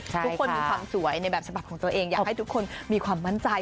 ทุกคนมีความสวยในแบบฉบับของตัวเองอยากให้ทุกคนมีความมั่นใจ